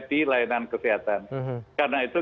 di layanan kesehatan karena itu